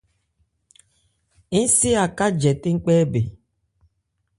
Ń se Aká jɛtɛ̂n kpɛ́ bɛn.